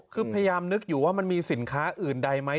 คือพยายามนึกอยู่ว่ามันมีสินค้าอื่นใดไหม